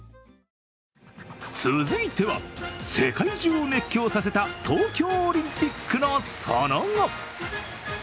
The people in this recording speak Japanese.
続いては世界中を熱狂させた東京オリンピックのその後。